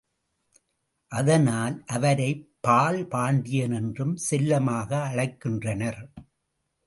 அதனால் அவரை பால் பாண்டியன் என்றும் செல்லமாக அழைக்கின்றனர்.